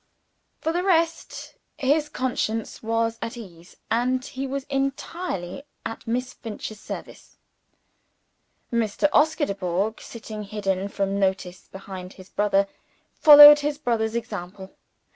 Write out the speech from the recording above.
For the rest, his conscience was at ease; and he was entirely at Miss Finch's service. Mr. Oscar Dubourg, sitting hidden from notice behind his brother, followed his brother's example.